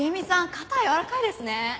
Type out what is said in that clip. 肩やわらかいですね。